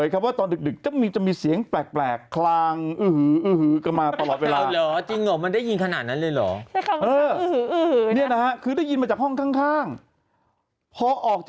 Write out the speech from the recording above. กำแพงมันบางมาก